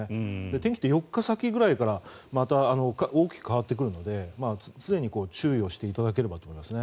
天気って４日先ぐらいからまた大きく変わってくるので常に注意をしていただければと思いますね。